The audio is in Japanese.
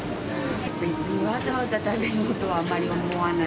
別にわざわざ食べようとはあまり思わない。